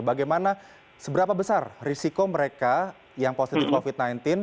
bagaimana seberapa besar risiko mereka yang positif covid sembilan belas